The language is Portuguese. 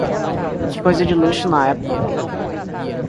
Que coisa de luxo na época